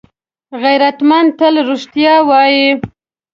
غیرتمند تل رښتیا وايي